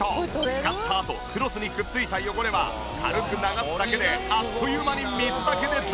使ったあとクロスにくっついた汚れは軽く流すだけであっという間に水だけでどんどんきれいに。